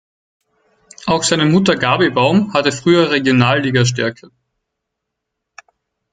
Auch seine Mutter Gabi Baum hatte früher Regionalliga-Stärke.